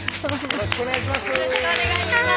よろしくお願いします。